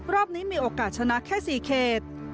รอบนี้มีโอกาสชนะแค่๔เขต